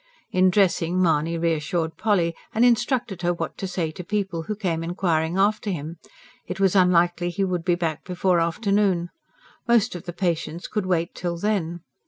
In dressing, Mahony reassured Polly, and instructed her what to say to people who came inquiring after him; it was unlikely he would be back before afternoon. Most of the patients could wait till then.